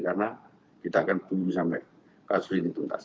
karena kita akan bunuh sampai kasus ini tuntas